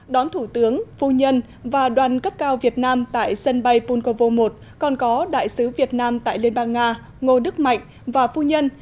đón thủ tướng phu nhân và đoàn cấp cao việt nam tại sân bay punkovo một còn có đại sứ việt nam tại liên bang nga ngô đức mạnh và phu nhân